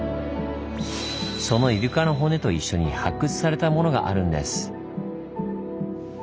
そのイルカの骨と一緒に発掘されたものがあるんです。